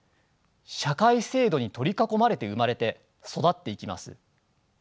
社会制度に取り囲まれて生まれて育っていきます。